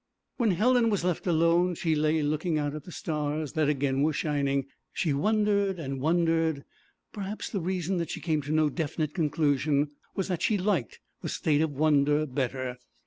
When Helen was left alone she lay looking out at the stars that again were shining; she wondered and wondered; perhaps the reason that she came to no definite conclusion was that she liked the state of wonder better.